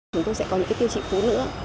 chúng tôi sẽ có những tiêu chí phú nữa